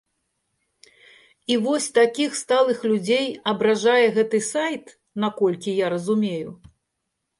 І вось такіх сталых людзей абражае гэты сайт, наколькі я разумею?